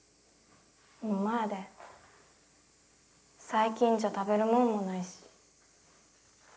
最近じゃ食べるもんもないし。